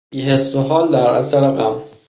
بیحس و حال در اثر غم